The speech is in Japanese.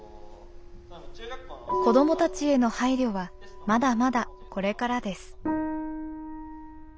子どもたちへの配慮はまだまだこれからです。